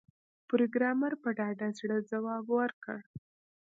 پروګرامر په ډاډه زړه ځواب ورکړ